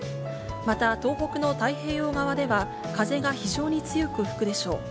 また東北の太平洋側では、風が非常に強く吹くでしょう。